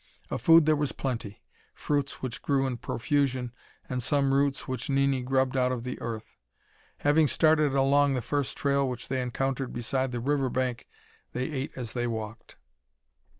Of food there was plenty fruits which grew in profusion, and some roots which Nini grubbed out of the earth. Having started along the first trail which they encountered beside the river bank, they ate as they walked.